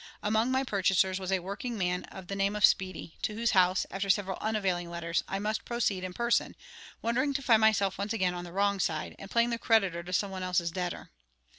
Among my purchasers was a workingman of the name of Speedy, to whose house, after several unavailing letters, I must proceed in person, wondering to find myself once again on the wrong side, and playing the creditor to some one else's debtor.